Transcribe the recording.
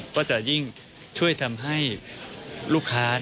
ก็จะยิ่งช่วยทำให้ลูกค้า